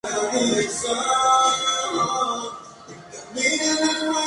Sigue su curso en Morcín y desemboca en el río Caudal.